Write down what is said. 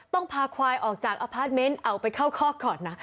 พาควายออกจากอพาร์ทเมนต์เอาไปเข้าคอกก่อนนะ